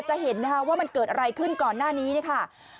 จะเห็นนะคะว่ามันเกิดอะไรขึ้นก่อนหน้านี้เนี่ยค่ะ